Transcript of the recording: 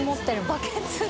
バケツで。